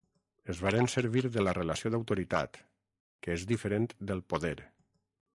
Es varen servir de la relació d'autoritat, que és diferent del poder.